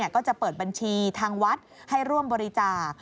ก็จะเปิดบัญชีทางวัดให้ร่วมบริจาค